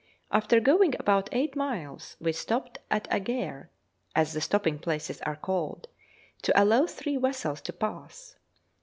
After going about eight miles we stopped at a gare (as the stopping places are called) to allow three vessels to pass.